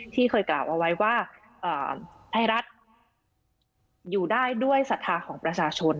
ที่เคยกล่าวเอาไว้ว่าไทยรัฐอยู่ได้ด้วยศรัทธาของประชาชน